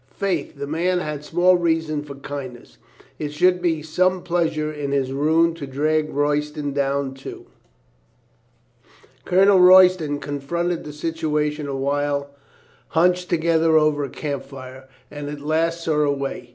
Faith, the man had small reason for kindness. It should be some pleas ure in his ruin to drag Royston down, too. FRIENDS 393 Colonel Royston confronted the situation a while, hunched together over a camp fire, and at last saw a way.